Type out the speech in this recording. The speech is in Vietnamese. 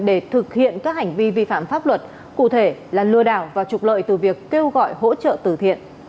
để thực hiện các hành vi vi phạm pháp luật cụ thể là lừa đảo và trục lợi từ việc kêu gọi hỗ trợ tử thiện